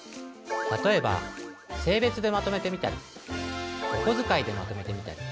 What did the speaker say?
例えば性別でまとめてみたりおこづかいでまとめてみたり。